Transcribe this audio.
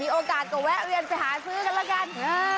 มีโอกาสก็แวะไปหาซื้อกันแล้วกัน